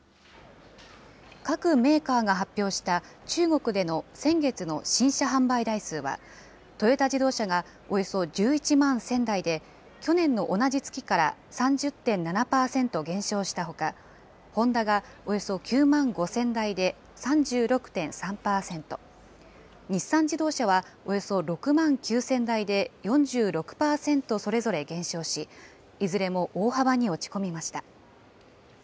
各メーカーが発表した中国での先月の新車販売台数は、トヨタ自動車がおよそ１１万１０００台で、去年の同じ月から３０．７％減少したほか、ホンダがおよそ９万５０００台で、３６．３％、日産自動車はおよそ６万９０００台で４６％それぞれ減少し、いずれも大幅に落ち込みました。